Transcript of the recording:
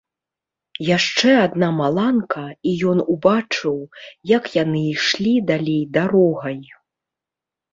Яшчэ адна маланка, і ён убачыў, як яны ішлі далей дарогай.